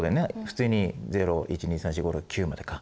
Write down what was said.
普通に０１２３４５６９までか。